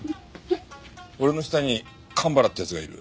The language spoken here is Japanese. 俺の下に蒲原っていう奴がいる。